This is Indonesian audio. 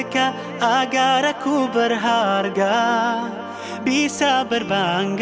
kamu mau makan padang